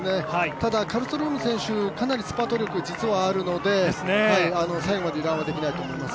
ただ、カルストローム選手かなりスパート力があるので、最後まで油断はできないと思います。